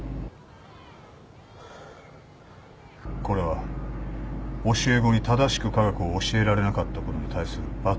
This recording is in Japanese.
これは教え子に正しく科学を教えられなかったことに対する罰。